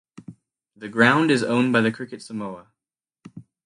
The ground is owned by the Cricket Samoa.